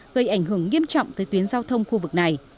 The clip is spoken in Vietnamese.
gây ảnh hưởng nghiêm trọng tới tuyến giao thông khu vực này